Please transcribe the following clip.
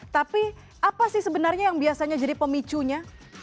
tapi apa sih sebenarnya yang biasanya jadi pemicunya